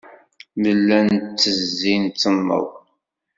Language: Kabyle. Nella nettezzi, nettenneḍ.